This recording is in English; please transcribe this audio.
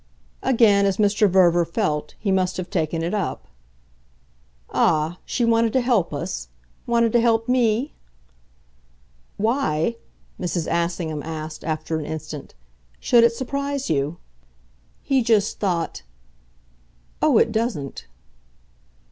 Again, as Mr. Verver felt, he must have taken it up. "Ah, she wanted to help us? wanted to help ME?" "Why," Mrs. Assingham asked after an instant, "should it surprise you?" He just thought. "Oh, it doesn't!"